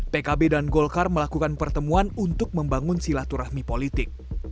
pkb dan golkar melakukan pertemuan untuk membangun silaturahmi politik